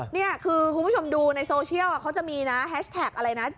นี่คือคุณผู้ชมดูในโซเชียลเขาจะมีนะแฮชแท็กอะไรนะ